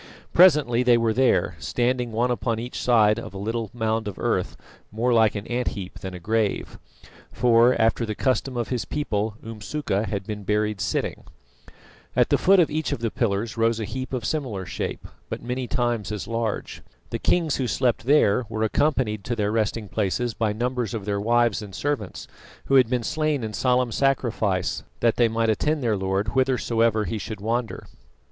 Presently they were there, standing one upon each side of a little mound of earth more like an ant heap than a grave; for, after the custom of his people, Umsuka had been buried sitting. At the foot of each of the pillars rose a heap of similar shape, but many times as large. The kings who slept there were accompanied to their resting places by numbers of their wives and servants, who had been slain in solemn sacrifice that they might attend their Lord whithersoever he should wander.